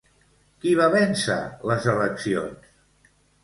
Qui va vèncer les eleccions?